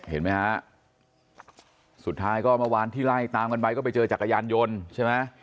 เห็นไหมฮะสุดท้ายก็เมื่อวานที่ไล่ตามกันไปก็ไปเจอจักรยานยนต์ใช่ไหม